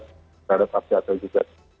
terhadap api api juga